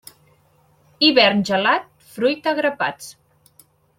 Hivern gelat, fruita a grapats.